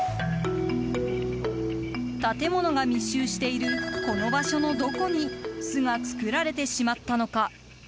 建物が密集しているこの場所のどこに巣が作られてしまったのか。